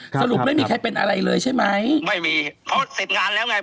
สรุปไม่มีใครเป็นอะไรเลยใช่ไหมไม่มีอ๋อเสร็จงานแล้วไง